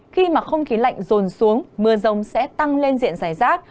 khi không khí lạnh rồn xuống mưa rông sẽ tăng lên diện rải rác